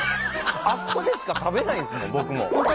あっこでしか食べないんですもん